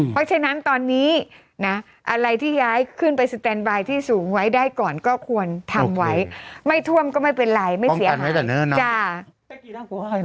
เพราะฉะนั้นตอนนี้นะอะไรที่ย้ายขึ้นไปสแตนบายที่สูงไว้ได้ก่อนก็ควรทำไว้ไม่ท่วมก็ไม่เป็นไรไม่เสียหาย